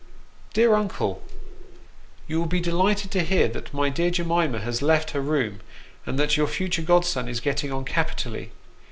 " DEAR UNOLE, You will be delighted to hear that my dear Jemima has left her room, and that your future godson is getting on capitally.